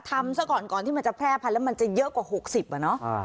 ซะก่อนก่อนที่มันจะแพร่พันธุแล้วมันจะเยอะกว่า๖๐อะเนาะ